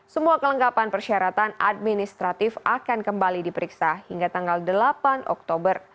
semua kelengkapan persyaratan administratif akan kembali diperiksa hingga tanggal delapan oktober